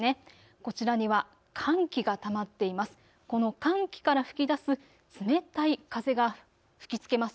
こちらには寒気がたまっています。